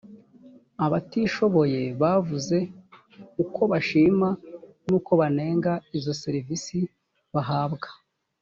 abatishoboye bavuze uko bashima n uko banenga izo serivisi bahabwa